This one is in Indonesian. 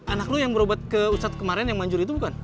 anak lu yang berobat ke ustadz kemarin yang manjur itu bukan